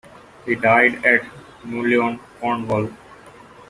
He died at Mullion, Cornwall.